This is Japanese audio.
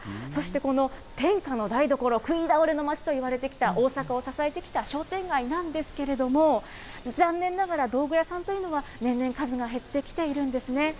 そしてこの天下の台所、食い倒れの街といわれてきた大阪を支えてきた商店街なんですけれども、残念ながら、道具屋さんというのは、年々数が減ってきているんですね。